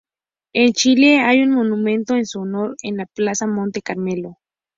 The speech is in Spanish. En Chile hay un monumento en su honor en la plaza Monte Carmelo.